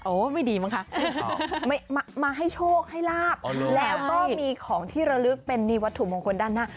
ไม่ดีมั้งคะมาให้โชคให้ลาบแล้วก็มีของที่ระลึกเป็นนี่วัตถุมงคลด้านหน้า